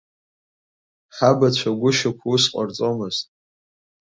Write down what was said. Ҳабацәа гәышьақәа ус ҟарҵомызт.